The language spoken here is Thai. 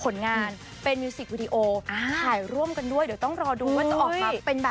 แล้วรองร่วมกันด้วยเดี่ยวต้องรอดูนะ